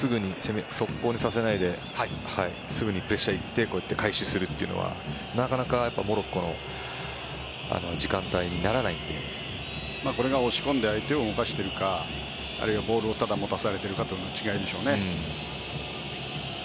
速攻にさせないですぐにプレッシャーに行って回収するというのはなかなかモロッコのこれが押し込んで相手を動かしているかあるいはボールを持たされているかの違いですね。